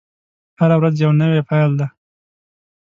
هره ورځ یوه نوې پیل دی.